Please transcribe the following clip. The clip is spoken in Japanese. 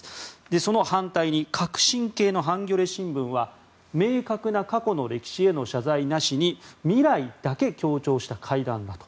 その反対に革新系のハンギョレ新聞は明確な過去の歴史への謝罪なしに未来だけ強調した会談だと。